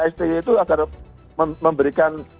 sti itu agar memberikan